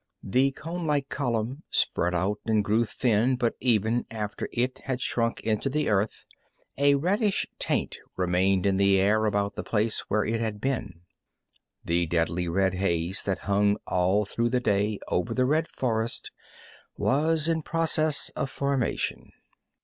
The conelike column spread out and grew thin, but even after it had sunk into the earth, a reddish taint remained in the air about the place where it had been. The deadly red haze that hung all through the day over the red forest was in process of formation.